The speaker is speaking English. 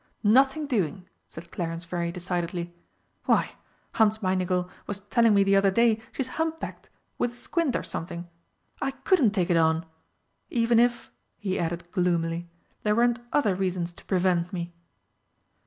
"Nothing doing!" said Clarence very decidedly. "Why, Hansmeinigel was telling me the other day she's humpbacked, with a squint or something. I couldn't take it on even if," he added gloomily, "there weren't other reasons to prevent me."